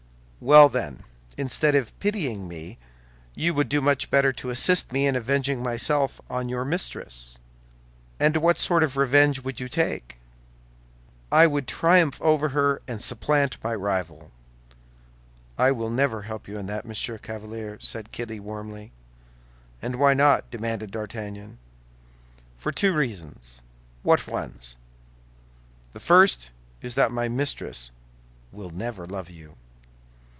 "Well, then, instead of pitying me, you would do much better to assist me in avenging myself on your mistress." "And what sort of revenge would you take?" "I would triumph over her, and supplant my rival." "I will never help you in that, Monsieur Chevalier," said Kitty, warmly. "And why not?" demanded D'Artagnan. "For two reasons." "What ones?" "The first is that my mistress will never love you."